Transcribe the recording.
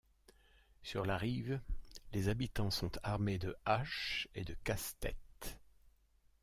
Sur la rive, les habitants sont armés de haches et de casse-tête.